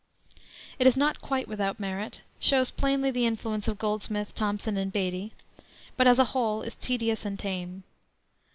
It is not quite without merit; shows plainly the influence of Goldsmith, Thomson, and Beattie, but as a whole is tedious and tame.